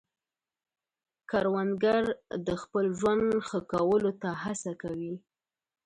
کروندګر د خپل ژوند ښه کولو ته هڅه کوي